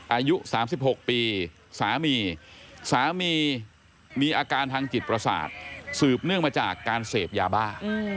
อายุ๓๖ปีสามีสามีมีอาการทางจิตประสาทสืบเนื่องมาจากการเสพยาบ้า